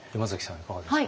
いかがですか？